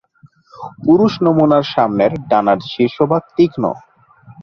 পুরুষ নমুনার সামনের ডানার শীর্ষভাগ তীক্ষ্ণ।